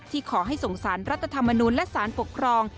ขอให้ส่งสารรัฐธรรมนูลและสารปกครอง